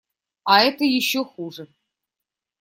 А это еще хуже.